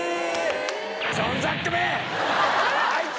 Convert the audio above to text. あいつ！